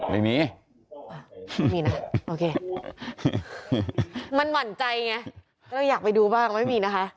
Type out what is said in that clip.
ไม่มีนะมันหวั่นใจไงเราอยากไปดูบ้างไม่มีนะคะ